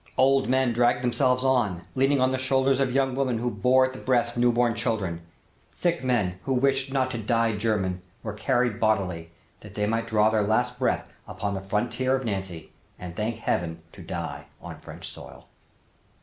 Old men dragged themselves on, leaning on the shoulders of young women who bore at the breast new born children. Sick men, who wished not to die German, were carried bodily that they might draw their last breath on the frontier of Nancy and thank heaven to die on French soil."